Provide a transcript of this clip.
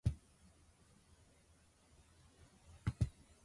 門番に声を掛けられる。